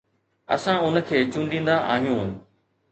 اسان ان کي چونڊيندا آهيون